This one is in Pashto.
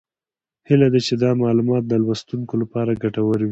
هیله ده چې دا معلومات د لوستونکو لپاره ګټور وي